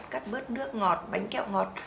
cắt bớt nước ngọt bánh kẹo ngọt